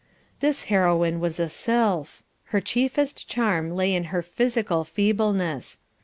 This Heroine was a sylph. Her chiefest charm lay in her physical feebleness.